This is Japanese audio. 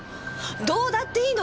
どうだっていいの！